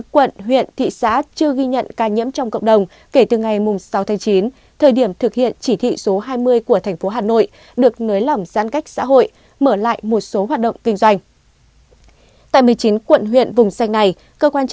một mươi chín quận huyện thị xã chưa ghi nhận bệnh nhân khám chữa bệnh